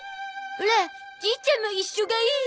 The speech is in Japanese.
オラじいちゃんも一緒がいい。